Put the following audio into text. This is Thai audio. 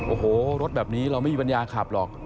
โอ้โหรถแบบนี้เราไม่มีปัญญาขับหรอก